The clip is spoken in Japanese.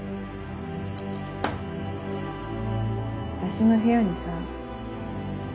私の部屋にさ。